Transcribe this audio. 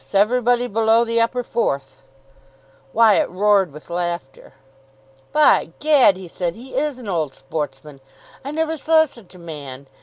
Everybody below the Upper Fourth." Wyatt roared with laughter. "By Gad," he said, "he is an old sportsman. I never saw such a man.